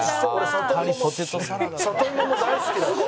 里芋も大好きだし。